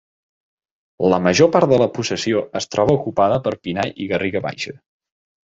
La major part de la possessió es troba ocupada per pinar i garriga baixa.